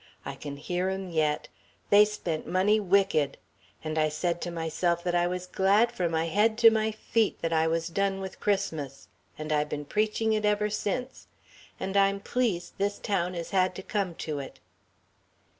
I can hear 'em yet. They spent money wicked. And I said to myself that I was glad from my head to my feet that I was done with Christmas. And I been preaching it ever since. And I'm pleased this town has had to come to it."